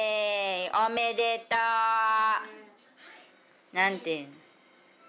おめでとう！なんて言うん？